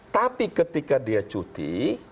tapi ketika dia cuti